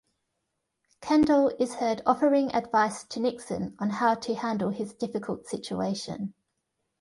Kendall is heard offering advice to Nixon on how to handle his difficult situation.